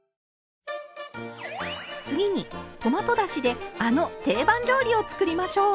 次にトマトだしであの定番料理を作りましょう。